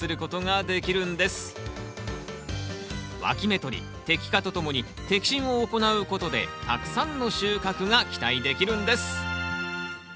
わき芽取り摘果とともに摘心を行うことでたくさんの収穫が期待できるんです！